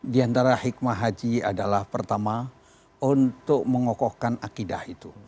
di antara hikmah haji adalah pertama untuk mengokohkan akidah itu